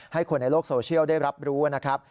คนในโลกโซเชียลได้รับรู้นะครับ